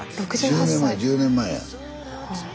１０年前１０年前や。